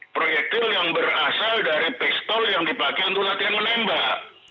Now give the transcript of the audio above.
proyektil yang berasal dari pistol yang dipakai untuk latihan menembak